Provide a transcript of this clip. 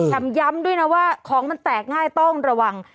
ย้ำด้วยนะว่าของมันแตกง่ายต้องระวัง